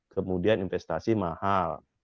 kemudian investasi mahal